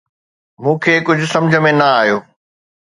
مون کي ڪجهه سمجهه ۾ نه آيو.